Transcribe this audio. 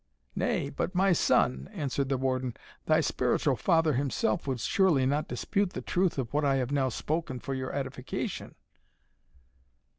"Nay, but, my son," answered Warden, "thy spiritual father himself would surely not dispute the truth of what I have now spoken for your edification!"